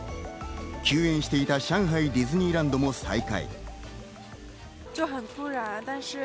休園していた、上海ディズニーランドも再開。